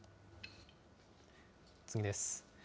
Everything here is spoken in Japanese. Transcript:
次です。